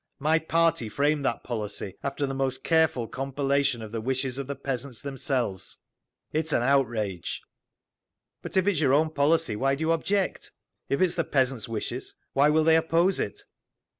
My party framed that policy, after the most careful compilation of the wishes of the peasants themselves. It is an outrage…." "But if it is your own policy, why do you object? If it is the peasants' wishes, why will they oppose it?"